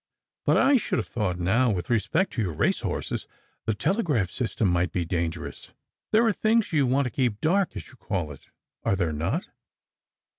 " But I should have thought now, with respect to your race horses, the telegraph system might be dangerous. There are things you want to keep dark, as you call it, are there not